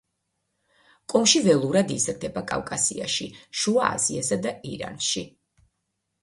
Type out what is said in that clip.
კომში ველურად იზრდება კავკასიაში, შუა აზიასა და ირანში.